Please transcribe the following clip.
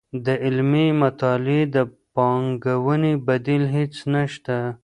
د علمي مطالعې د پانګوونې بدیل هیڅ نشته.